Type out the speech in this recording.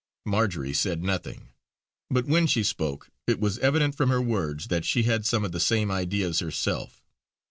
Marjory said nothing; but when she spoke, it was evident from her words that she had some of the same ideas herself.